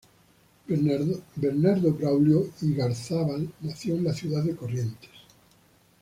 Bernardo Braulio Igarzábal nació en la ciudad de Corrientes.